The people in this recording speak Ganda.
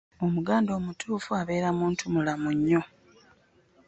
Omuganda omutuufu abeera muntu mulamu nnyo.